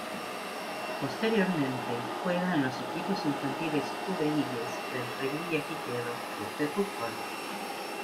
Posteriormente, juega en los equipos infantiles y juveniles del Revillagigedo Club de Fútbol.